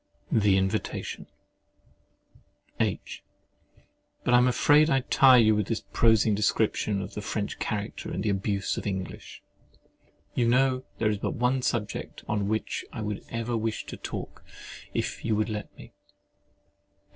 — THE INVITATION H. But I am afraid I tire you with this prosing description of the French character and abuse of the English? You know there is but one subject on which I should ever wish to talk, if you would let me.